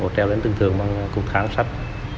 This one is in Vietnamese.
họ trèo đến trường thường bằng cục kháng sách